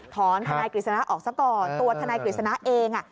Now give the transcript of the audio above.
ถอนทนายกฤษณาออกสักก่อนตัวทนายกฤษณาเอง